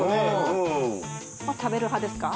食べる派ですか？